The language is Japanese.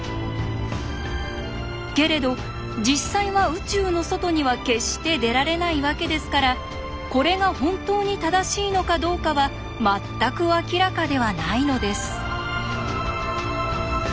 けれど実際は宇宙の外には決して出られないわけですからこれが本当に正しいのかどうかは全く明らかではないのです。